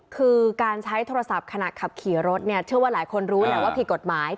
คือการใช้โทรศัพท์ขณะขับขี่รถเนี่ยเชื่อว่าหลายคนรู้แหละว่าผิดกฎหมาย